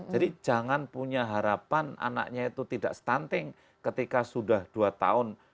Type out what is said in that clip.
jadi jangan punya harapan anaknya itu tidak stunting ketika sudah dua tahun